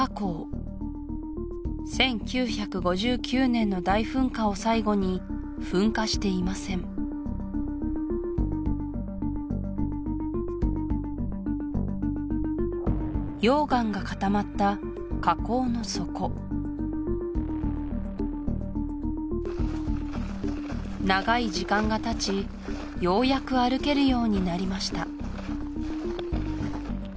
１９５９年の大噴火を最後に噴火していません溶岩が固まった火口の底長い時間がたちようやく歩けるようになりました